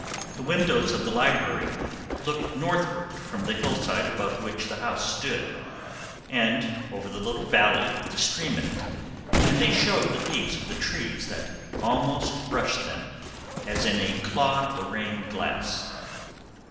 The windows of the library looked northward from the hillside above which the house stood, and over the little valley with the stream in it, and they showed the leaves of the trees that almost brushed them as in a Claude Lorraine glass.